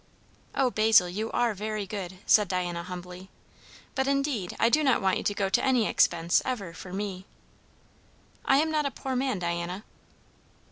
"O, Basil, you are very good!" said Diana humbly. "But indeed I do not want you to go to any expense, ever, for me." "I am not a poor man, Diana."